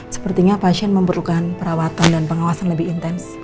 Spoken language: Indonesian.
sepertinya pasien memerlukan perawatan dan pengawasan lebih intens